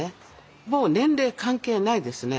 もう年齢関係ないですね。